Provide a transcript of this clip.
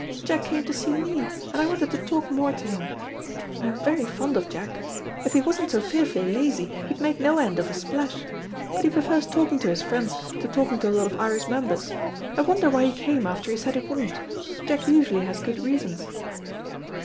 "Jack came to see me, and I wanted to talk more to him I'm very fond of Jack. If he wasn't so fearfully lazy, he'd make no end of a splash. But he prefers talking to his friends to talking to a lot of Irish members. I wonder why he came after he said he wouldn't. Jack usually has good reasons."